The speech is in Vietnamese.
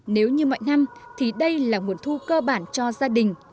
nếu như mọi năm thì đây là nguồn thu cơ bản cho gia đình